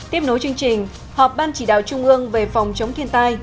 tiếp nối chương trình họp ban chỉ đạo trung ương về phòng chống thiên tai